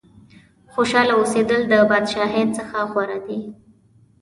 خوشاله اوسېدل د بادشاهۍ څخه غوره دي.